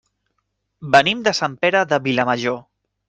Venim de Sant Pere de Vilamajor.